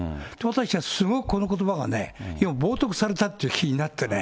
私はすごくこのことばがね、要は冒とくされたっていう気になってね。